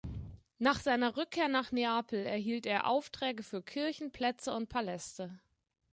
Nach seiner Rückkehr nach Neapel erhielt er Aufträge für Kirchen, Plätze und Paläste.